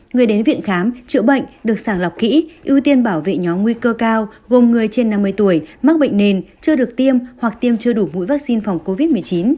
người đến viện khám chữa bệnh được sàng lọc kỹ ưu tiên bảo vệ nhóm nguy cơ cao gồm người trên năm mươi tuổi mắc bệnh nền chưa được tiêm hoặc tiêm chưa đủ mũi vaccine phòng covid một mươi chín